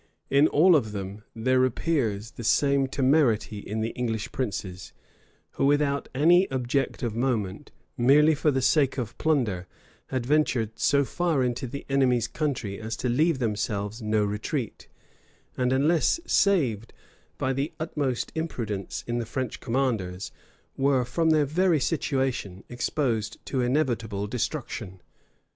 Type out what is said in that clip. In all of them there appears the same temerity in the English princes, who, without any object of moment, merely for the sake of plunder, had ventured so far into the enemy's country as to leave themselves no retreat; and unless saved by the utmost imprudence in the French commanders, were, from their very situation, exposed to inevitable destruction.